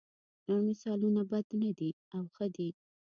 نور مثالونه بد نه دي او ښه دي.